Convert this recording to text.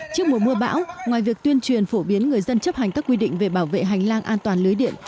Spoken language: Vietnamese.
trước mùa mưa bão ngoài việc tuyên truyền phổ biến người dân chấp hành các quy định về bảo vệ hành lang an toàn lưới điện